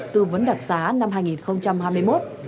tư vấn đặc xá năm hai nghìn hai mươi một